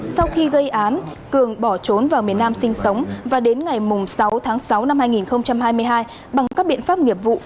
sau khi gây án cường bỏ trốn vào miền nam sinh sống và đến ngày sáu tháng sáu năm hai nghìn hai mươi hai bằng các biện pháp nghiệp vụ